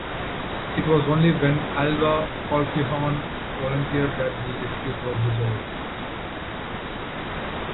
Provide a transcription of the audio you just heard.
It was only when Alva Colquhoun volunteered that the dispute was resolved.